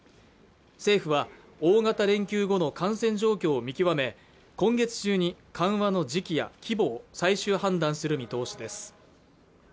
政府は大型連休後の感染状況を見極め今月中に緩和の時期や規模を最終判断する見通しです